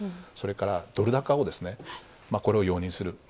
それからドル高を容認する。